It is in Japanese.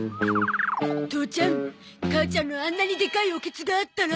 父ちゃん母ちゃんのあんなにでかいおケツがあったら。